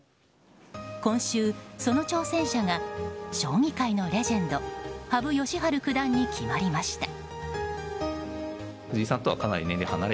今週、その挑戦者が将棋界のレジェンド羽生善治九段に決まりました。